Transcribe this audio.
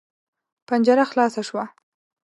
پنجره خلاصه شوه.